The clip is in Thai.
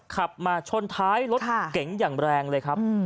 ขับมาชนท้ายรถเก๋งอย่างแรงเลยครับ